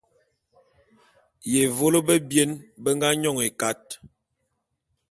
Yévô bebien be nga nyon ékat.